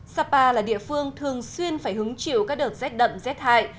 sapa là địa phương thường xuyên phải hứng chịu các đợt rét đậm rét hại